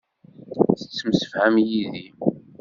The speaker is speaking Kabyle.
Tettemsefham yid-i.